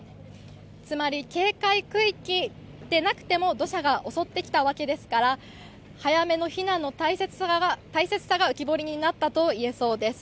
つまり、警戒区域でなくても土砂が襲ってきたわけですから早めの避難の大切さが浮き彫りになったと言えそうです。